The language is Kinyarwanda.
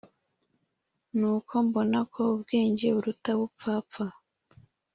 Nuko mbona ko ubwenge buruta ubupfapfa